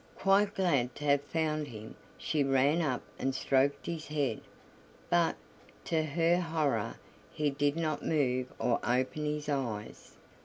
Quite glad to have found him, she ran up and stroked his head, but, to her horror, he did not move or open his eyes.